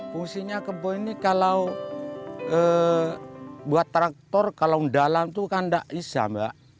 fungsinya kebun ini kalau buat traktor kalau dalam itu kan tidak bisa mbak